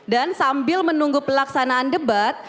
dan sambil menunggu pelaksanaan debat